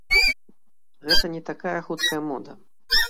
Гэта не такая хуткая мода.